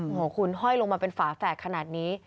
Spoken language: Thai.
โอ้โหคุณห้อยลงมาเป็นฝาแฝดขนาดนี้